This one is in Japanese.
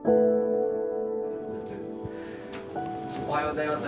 おはようございます。